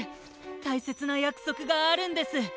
たいせつなやくそくがあるんです！